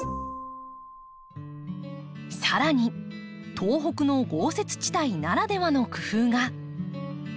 さらに東北の豪雪地帯ならではの工夫が。